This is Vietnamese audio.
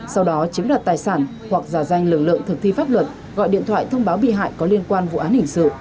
sau đó chiếm đoạt tài sản hoặc giả danh lực lượng thực thi pháp luật gọi điện thoại thông báo bị hại có liên quan vụ án hình sự